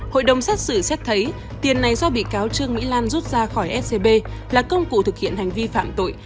hội đồng xét xử xét thấy tiền này do bị cáo trương mỹ lan rút ra khỏi scb là công cụ thực hiện hành vi phạm tội